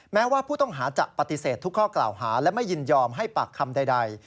แม้ว่าผู้ต้องหาจะปฏิเสธทุกข้อกล่าวหาและไม่ยินยอมให้ปากคำใด